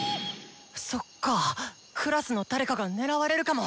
そっかクラスの誰かが狙われるかも！